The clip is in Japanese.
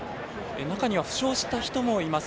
中には負傷した人もいます。